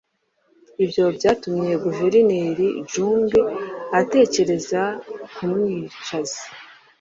Ibyo byatumye Guverineri Junge atekereza ku mwicaza